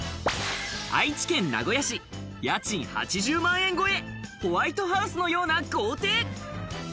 愛知県名古屋市、家賃８０万円超え、ホワイトハウスのような豪邸！